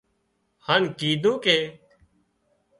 هانَ ڪيڌون ڪي